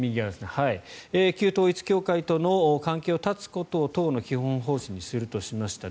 旧統一教会との関係を絶つことを党の基本方針にするとしました。